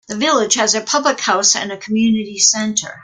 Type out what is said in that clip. The village has a public house and a community centre.